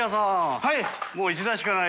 はい。